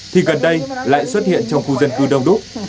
thì gần đây lại xuất hiện trong khu dân cư đông đúc